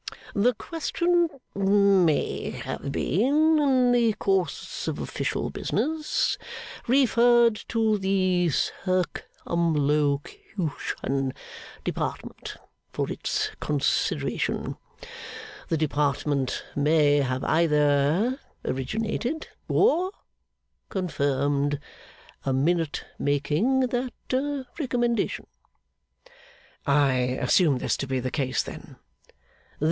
The question may have been, in the course of official business, referred to the Circumlocution Department for its consideration. The Department may have either originated, or confirmed, a Minute making that recommendation.' 'I assume this to be the case, then.